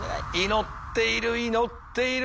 祈っている祈っている。